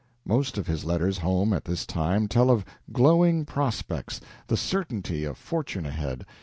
Most of his letters home at this time tell of glowing prospects the certainty of fortune ahead.